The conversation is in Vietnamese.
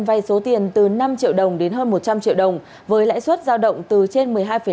vay số tiền từ năm triệu đồng đến hơn một trăm linh triệu đồng với lãi suất giao động từ trên một mươi hai năm